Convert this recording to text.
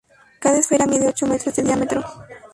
Cada esfera mide ocho metros de diámetro.